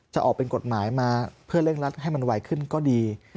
จะออกเป็นกฎหมายมาเพื่อเร่งรัดให้มันไวขึ้นก็ดี